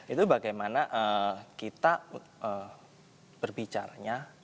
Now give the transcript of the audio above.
itu bagaimana kita berbicara nya